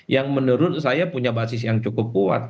yang menurut saya punya basis yang cukup kuat